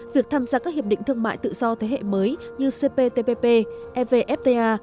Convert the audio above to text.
việc tham gia các hiệp định thương mại tự do thế hệ mới như cptpp evfta